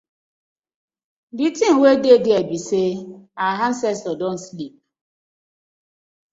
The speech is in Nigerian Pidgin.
Di tin wey dey dere bi say our ancestors don sleep.